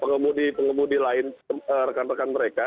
pengemudi pengemudi lain rekan rekan mereka